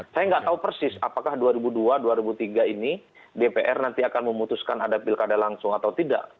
saya nggak tahu persis apakah dua ribu dua dua ribu tiga ini dpr nanti akan memutuskan ada pilkada langsung atau tidak